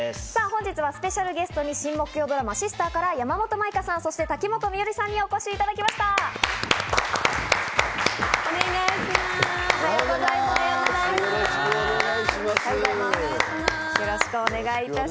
本日はスペシャルゲストに新木曜ドラマ『Ｓｉｓｔｅｒ』から、山本舞香さん、瀧本美織さんにお越しいただきました。